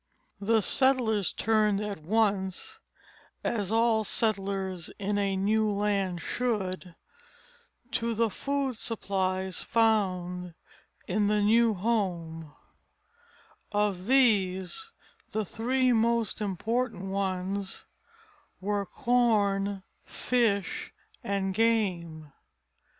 The settlers turned at once, as all settlers in a new land should, to the food supplies found in the new home; of these the three most important ones were corn, fish, and game.